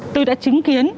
tôi đã chứng kiến